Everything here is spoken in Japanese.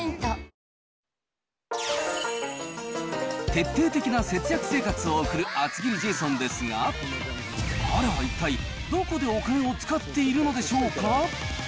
徹底的な節約生活を送る厚切りジェイソンですが、彼は一体、どこでお金を使っているのでしょうか。